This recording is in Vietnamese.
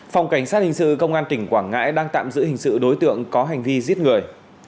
phòng cảnh sát hình sự công an tỉnh quảng ngãi đang tạm giữ hình sự đối tượng có hành vi giết người